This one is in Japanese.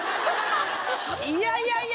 いやいやいや！